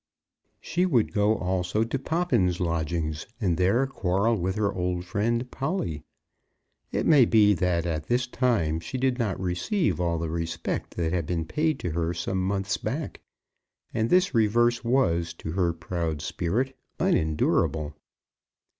She would go also to Poppins' lodgings, and there quarrel with her old friend Polly. It may be that at this time she did not receive all the respect that had been paid to her some months back, and this reverse was, to her proud spirit, unendurable.